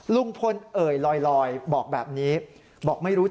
ลุงพลเอ่ยลอยบอกแบบนี้